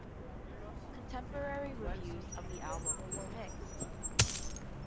Contemporary reviews of the album were mixed.